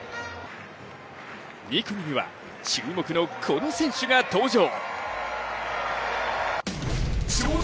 ２組には、注目のこの選手が登場。